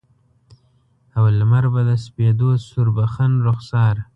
او لمر به د سپیدو سوربخن رخسار